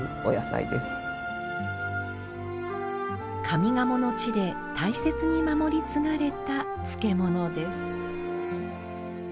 上賀茂の地で大切に守り継がれた漬物です。